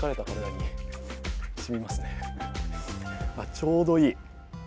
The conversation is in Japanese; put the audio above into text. ちょうどいい。